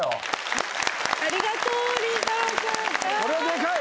これはでかい！